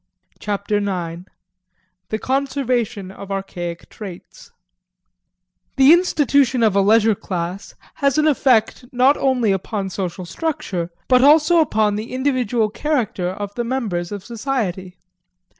Chapter Nine ~~ The Conservation of Archaic Traits The institution of a leisure class has an effect not only upon social structure but also upon the individual character of the members of society.